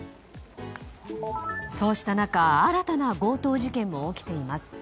そうした中新たな強盗事件も起きています。